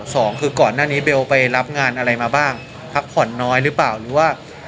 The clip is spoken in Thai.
สองคือก่อนหน้านี้เบลไปรับงานอะไรมาบ้างพักผ่อนน้อยหรือเปล่าหรือว่า